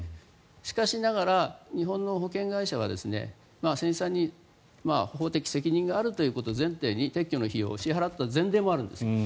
しかしながら日本の保険会社は船主さんに法的責任があるということを前提に撤去の費用を支払った前例もあるんですよ。